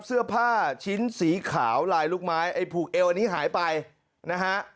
เสื้อผ้าชิ้นสีขาวลายลูกไม้ไอ้ผูกเอวอันนี้หายไปนะฮะ